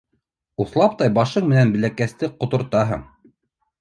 Уҫлаптай башың менән бәләкәсте ҡотортаһың.